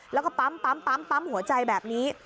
แล้วก็ปั๊มหัวใจแบบนี้